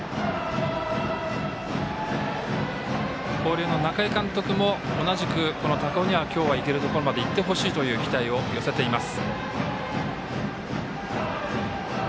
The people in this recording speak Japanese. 広陵の中井監督も同じく、この高尾には今日は、いけるところまでいってほしいという期待を寄せています。